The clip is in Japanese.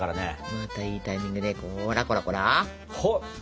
またいいタイミングでほらほらほら。